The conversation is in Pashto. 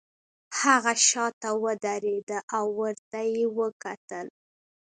هغه شاته ودریده او ورته یې وکتل